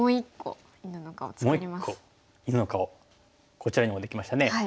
こちらにもできましたね。